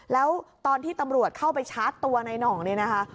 แล้วตอนที่ตำรวจเข้าไปชาร์จตัวในหน่องเนี่ยนะคะ